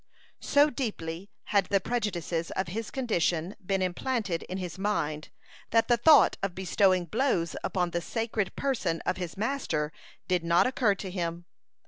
So deeply had the prejudices of his condition been implanted in his mind, that the thought of bestowing blows upon the sacred person of his master did not occur to him.